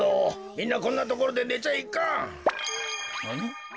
みんなこんなところでねちゃいかん。